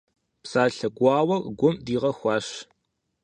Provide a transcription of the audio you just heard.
Псалъэ гуауэр гум дигъэхуащ.